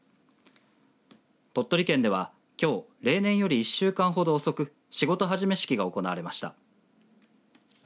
鳥取県ではきょう、例年より１週間ほど遅く仕事始め式が行われました。